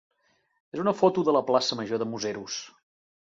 és una foto de la plaça major de Museros.